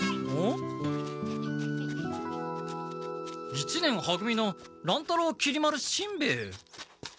一年は組の乱太郎きり丸しんべヱ。